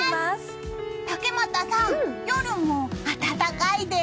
竹俣さん、夜も暖かいです！